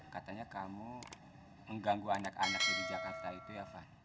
katanya kamu mengganggu anak anak di jakarta itu ya van